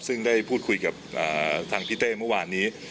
ซึ่งได้พูดคุยกับทางพี่เต้เมื่อวานนี้